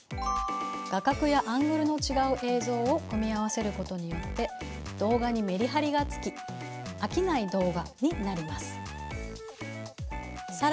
画角やアングルのちがう映像を組み合わせることによって動画にメリハリがつきあきない動画になります。